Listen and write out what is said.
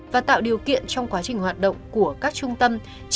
và tạo điều kiện trong quá trình hoạt động của các trung tâm